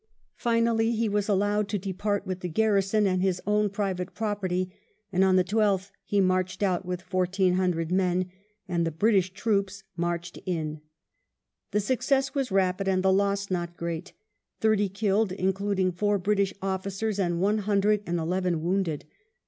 Finally he was allowed to depart with the garrison and his own private property, and on the 12th he "marched out with 1400 men," and the British troops marched in. The success was rapid and the loss not great — thirty killed, including four British officers, and one hundred and eleven wounded.